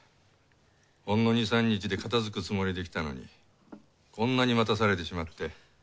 ほんの２３日で片付くつもりで来たのにこんなに待たされてしまって。